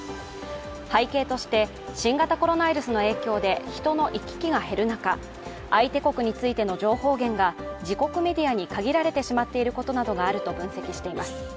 背景として、新型コロナウイルスの影響で人の行き来が減る中、相手国についての情報源が自国メディアに限られてしまっていることなどがあると分析しています。